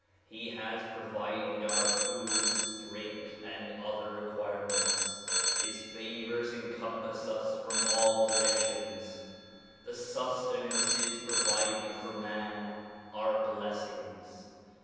He has provided our foods, drink and other requirements ; his favors encompass us from all directions. The sustenances provided for man are blessings.